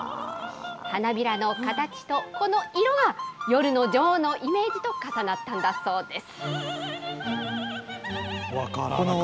花びらの形とこの色が夜の女王のイメージと重なったんだそうです。